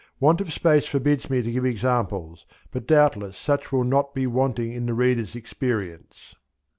Want of space forbids me to give examples, but doubtless such will not be wanting in the reader's experience.